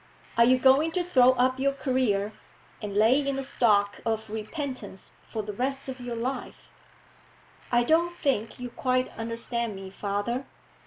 Are you going to throw up your career, and lay in a stock of repentance for the rest of your life?' 'I don't think you quite understand me, father.